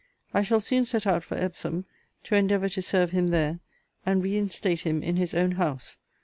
I shall soon set out for Epsom, to endeavour to serve him there, and re instate him in his own house.